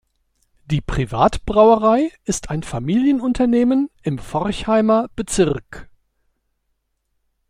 Die Privatbrauerei ist ein Familienunternehmen im Forchheimer Bezirk.